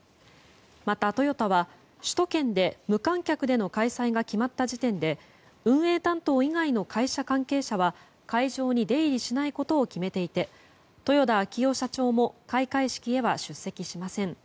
また、トヨタは首都圏で無観客での開催が決まった時点で運営担当以外の会社関係者は会場に出入りしないことを決めていて豊田章男社長も開会式へは出席しません。